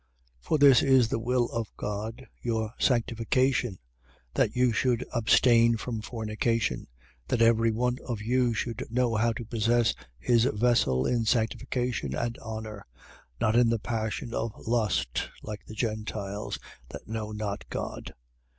4:3. For this is the will of God, your sanctification: That you should abstain from fornication: 4:4. That every one of you should know how to possess his vessel in sanctification and honour, 4:5. Not in the passion of lust, like the Gentiles that know not God: 4:6.